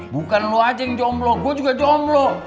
bukan lo aja yang jomblo gue juga jomblo